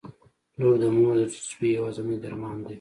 • لور د مور د زړسوي یوازینی درمان دی.